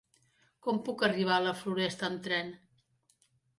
Com puc arribar a la Floresta amb tren?